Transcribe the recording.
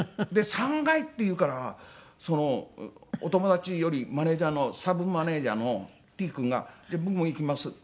３階って言うからお友達よりマネジャーのサブマネジャーのＴ君が「僕も行きます」って言って。